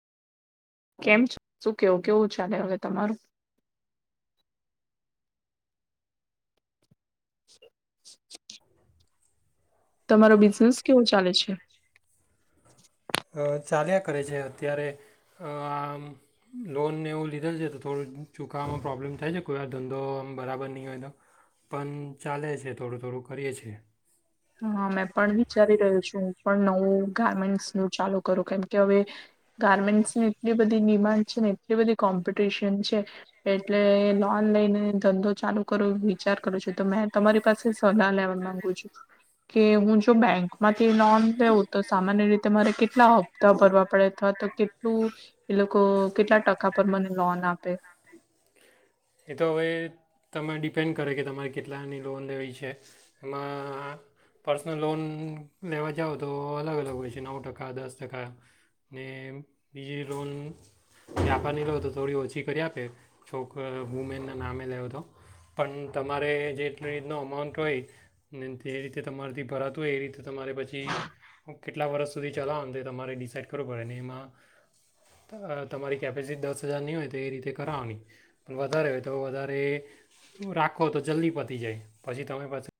કેમ શું કેવું કેવું ચાલે હવે તમારું [inaudible] તમારો બિઝનેસ કેવો ચાલે છે? અ ચાલ્યા કરે છે અત્યારે આમ લોનને એવું લીધેલ છે તો થોડુંક ચુખાવામાં પ્રોબ્લેમ થાય છે કોઈ વાર ધંધો આમ બરાબર નહીં હોય તો પણ ચાલે છે થોડું થોડુંક કરીએ છે હ મેં પણ વિચારી રહ્યું છું પણ નવું ગારમેન્ટ્સ નું ચાલુ કરું કેમ કે હવે ગારમેન્ટ્સની એટલી બધી ડિમાન્ડ છે ને એટલી બધી કોમ્પિટિશન છે એટલે લોન લઈને ધંધો ચાલુ કરવો એ વિચાર કરું છું તો મેં તમારી પાસે સલાહ લેવા માંગુ છું કે હું જો બેંકમાંથી લોન લેઉું તો સામાન્ય રીતે મારે કેટલા હપ્તા ભરવા પડે અથવા તો કેટલું એ લોકો કેટલા ટકા પર મને લોન આપે એ તો હવે તમે ડિપેન્ડ કરે કે તમારે કેટલાની લોન લેવી છે એમાં પર્સનલ લોન લેવા જાઓ તો અલગ અલગ હોય છે નવ ટકા દસ ટકા ને બીજી લોન વ્યાપારની લો તો થોડી ઓછી એ કરી આપે તો વુમેનના નામે લેવ તો પણ તમારે જે રીતનો અમાઉન્ટ હોય ને જે રીતે તમારથી ભરાતું હોય એ રીતે તો તમારે પછી કેટલા વર્ષ સુધી ચલાવવાનું તે તમારે ડિસાઇડ કરવું પડે ને એમાં તમારી કેપેસિટી દસ હજારની હોય તો એ રીતે કરાવવાની પણ વધારે હોય તો વધારે રાખો તો જલ્દી પતી જાય પછી તમે પછી